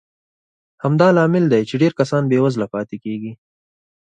همدا لامل دی چې ډېر کسان بېوزله پاتې کېږي.